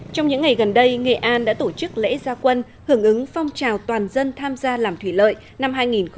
trong những ngày gần đây nghệ an đã tổ chức lễ gia quân hưởng ứng phong trào toàn dân tham gia làm thủy lợi năm hai nghìn một mươi chín